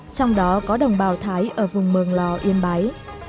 trong đó có đồng bào thái ở vùng mường lò yên bái